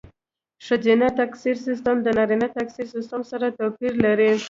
ښځینه تکثري سیستم د نارینه تکثري سیستم سره توپیر لري.